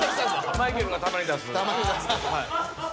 マイケルがたまに出すはい。